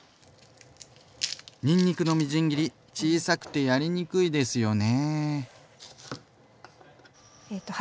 にんにくのみじん切り小さくてやりにくいですよね。